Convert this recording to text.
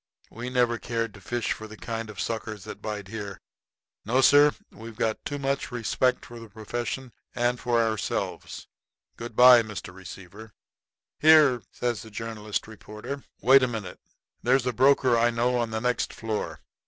We never cared to fish for the kind of suckers that bite here. No, sir. We got too much respect for the profession and for ourselves. Good by to you, Mr. Receiver." "Here!" says the journalist reporter; "wait a minute. There's a broker I know on the next floor.